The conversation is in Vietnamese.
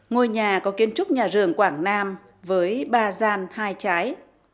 ngôi nhà có kiến trúc nhà rường quảng nam với ba gian hai trái